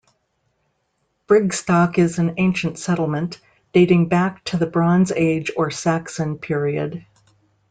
Brigstock is an ancient settlement, dating back to the Bronze Age or Saxon period.